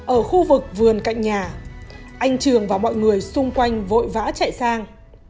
ở khu vực vườn cạnh nhà anh trường và mọi người xung quanh vội vã chạy sang